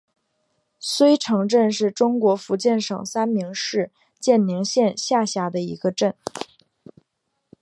濉城镇是中国福建省三明市建宁县下辖的一个镇。